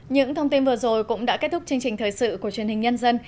những thông tin vừa rồi cũng đã kết thúc chương trình thời sự của truyền hình nhân dân